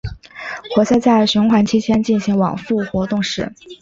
活塞在循环期间进行往复运动时。